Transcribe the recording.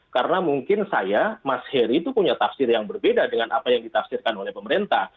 karena mungkin saya mas heri itu punya tafsir yang berbeda dengan apa yang ditafsirkan oleh pemerintah